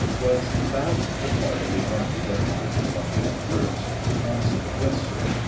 Was that the part of the army that entered Col bmbia first ? A. Yes, sir.